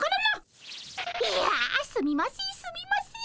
いやすみませんすみません。